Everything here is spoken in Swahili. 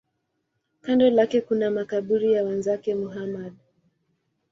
Kando lake kuna makaburi ya wenzake Muhammad.